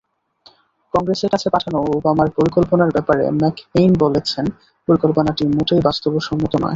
কংগ্রেসের কাছে পাঠানো ওবামার পরিকল্পনার ব্যাপারে ম্যাককেইন বলেছেন, পরিকল্পনাটি মোটেই বাস্তবসম্মত নয়।